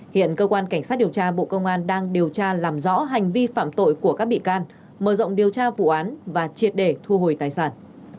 hiện cơ quan cảnh sát điều tra bộ công an đang điều tra làm rõ hành vi phạm tội của các bị can mở rộng điều tra vụ án và triệt để thu hồi tài sản